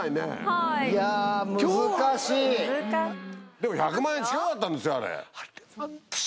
でも１００万円近かったんですよあれ。